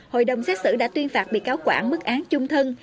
hội đồng xét xử đã tuyên phạt bị cáo quảng mức án trung thân